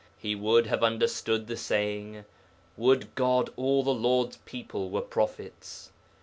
He would have understood the saying, 'Would God all the Lord's people were prophets.'